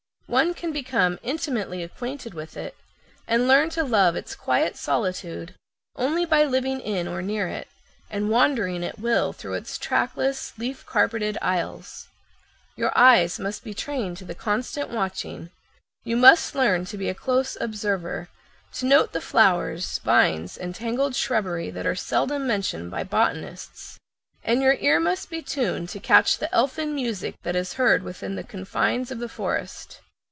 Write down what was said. One can become intimately acquainted with it, and learn to love its quiet solitude, only by living in or near it, and wandering at will through its trackless, leaf carpeted aisles. Your eyes must be trained to constant watching, you must learn to be a close observer, to note the flowers, vines, and tangled shrubbery that are seldom mentioned by botanists, and your ear must be tuned to catch the elfin music that is heard within the confines of the forest.